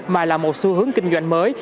mà là một xu hướng kinh doanh mới